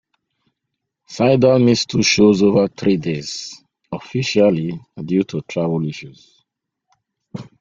Sydal missed two shows over three days, officially due to "travel issues".